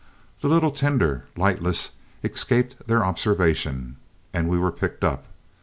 The little tender, lightless, escaped their observation, and we were picked up.